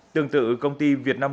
tương tự công ty việt nam